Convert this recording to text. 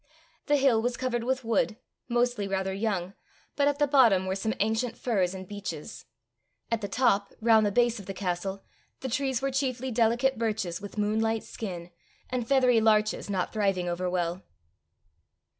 The hill was covered with wood, mostly rather young, but at the bottom were some ancient firs and beeches. At the top, round the base of the castle, the trees were chiefly delicate birches with moonlight skin, and feathery larches not thriving over well.